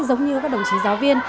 giống như các đồng chí giáo viên